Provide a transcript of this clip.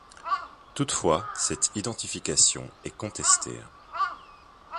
Toutefois cette identification est contestée.